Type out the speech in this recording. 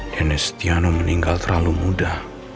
dan estiano meninggal terlalu muda